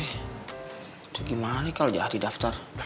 itu gimana nih kal jahat di daftar